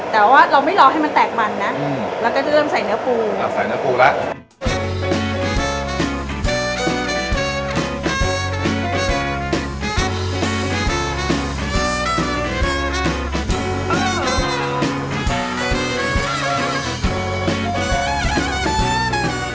แต่ว่าเราไม่รอให้มันแตกมันนะแล้วก็จะเริ่มใส่เนื้อปูใส่เนื้อปูแล้ว